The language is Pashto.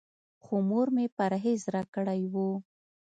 خو مور مې پرهېز راکړی و.